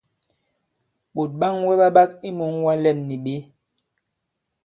Ɓòt ɓaŋwɛ ɓa ɓak i mūŋwa lɛ᷇n nì ɓě?